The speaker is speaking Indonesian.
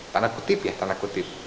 tanda kutip ya tanda kutip